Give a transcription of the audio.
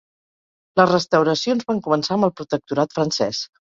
Les restauracions van començar amb el protectorat francès.